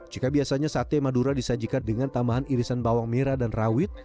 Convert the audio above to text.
jika biasanya sate madura disajikan dengan tambahan irisan bawang merah dan rawit